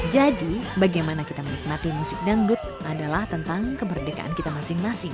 jadi bagaimana kita menikmati musik dangdut adalah tentang kemerdekaan kita masing masing